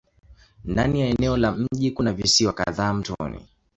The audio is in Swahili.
Ndani ya eneo la mji kuna visiwa kadhaa mtoni.